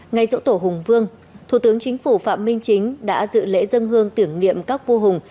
ngày dỗ tổ hùng vương thủ tướng chính phủ phạm minh chính đã dự lễ dân hương tưởng niệm các vua hùng